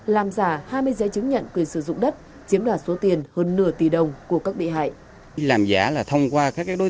làm giả hai mươi giấy chứng nhận quyền sử dụng đất chiếm đoạt số tiền hơn nửa tỷ đồng của các bị hại